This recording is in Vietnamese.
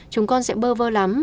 chúng con sẽ bơ vơ lắm